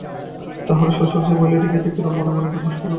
তাহার শ্বশুর যে উইলটি লিখিয়াছে কিরণ মনে মনে তাহার সম্পূর্ণ সমর্থন করে।